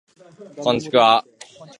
こんちくわ